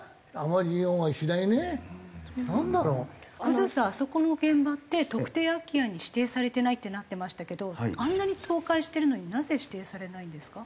生さんあそこの現場って特定空き家に指定されてないってなってましたけどあんなに倒壊してるのになぜ指定されないんですか？